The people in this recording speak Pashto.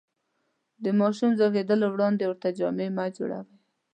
د ماشوم زېږېدلو وړاندې ورته جامې مه جوړوئ.